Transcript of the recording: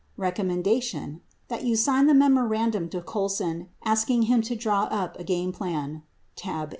Recommendation: That you sign the memorandum to Col son asking him to draw up a game plan (Tab A).